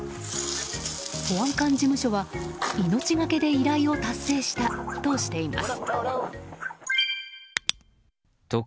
保安官事務所は命がけで依頼を達成したとしています。